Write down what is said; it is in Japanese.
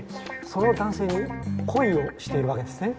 その男性に恋をしているわけですね。